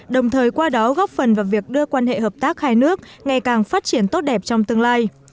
đồng thời qua đó góp phần vào việc đưa quan hệ hợp tác hai nước ngày càng phát triển tốt đẹp trong tương lai